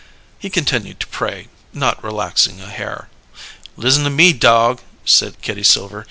He continued to pray, not relaxing a hair. "Listen to me, dog," said Kitty Silver.